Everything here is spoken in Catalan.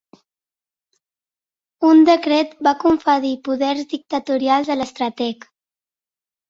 Un decret va conferir poders dictatorials a l'estrateg.